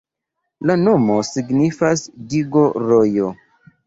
La nomo signifas digo-rojo.